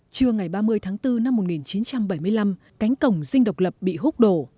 trưa ngày ba mươi tháng bốn năm một nghìn chín trăm bảy mươi năm cánh cổng dinh độc lập bị hốc đổ